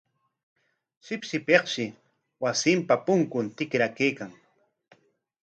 Shipshipikshi wasinpa punkun kitraraykan.